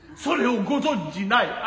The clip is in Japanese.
それをご存知無い